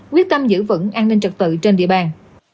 quyết tâm giữ vững an ninh trật tự trên địa bàn